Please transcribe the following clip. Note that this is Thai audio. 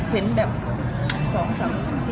เห็นแบบ๒๓ปุ่ม๔